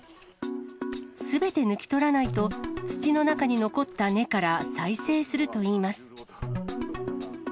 すべて抜き取らないと土の中に残った根から再生するといいます。